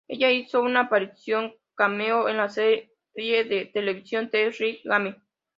Ella hizo una aparición cameo en la serie de televisión "The Lying Game".